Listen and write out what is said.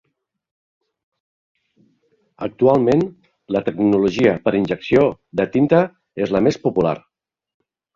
Actualment, la tecnologia per injecció de tinta és la més popular.